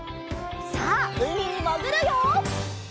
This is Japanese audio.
さあうみにもぐるよ！